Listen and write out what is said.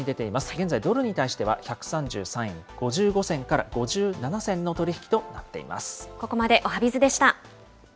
現在、ドルに対しては１３３円５５銭から５７銭の取り引きとなっています。